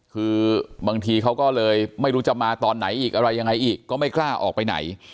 คือบางทีเขาก็เลยไม่รู้จะมาตอนไหนอีกอะไรยังไงอีกก็ไม่กล้าออกไปไหน